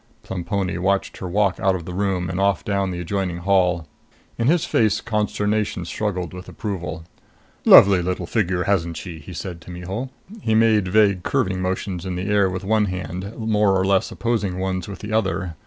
Plemponi watched her walk out of the room and off down the adjoining hall. In his face consternation struggled with approval. "Lovely little figure, hasn't she?" he said to Mihul. He made vague curving motions in the air with one hand, more or less opposing ones with the other.